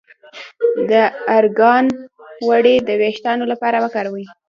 د ارګان غوړي د ویښتو لپاره وکاروئ